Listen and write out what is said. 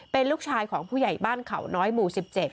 เป็นลูกชายของผู้ใหญ่บ้านเขาน้อยหมู่๑๗